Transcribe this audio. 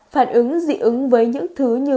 phản ứng dị ứng với những thứ như